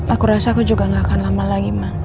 aku rasa aku juga gak akan lama lagi